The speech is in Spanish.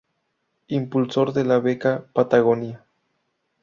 Impulsor de la Beca Patagonia.